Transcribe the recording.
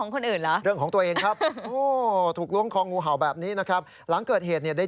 อ้องไว้แล้วรอการติดต่อกลับ